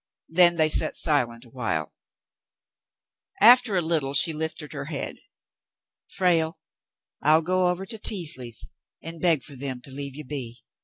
Then they sat silent awhile. After a little she lifted her head. "Frale, I'll go over to Teasleys' and beg for them to leave you be.